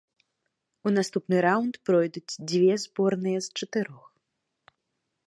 У наступны раўнд пройдуць дзве зборныя з чатырох.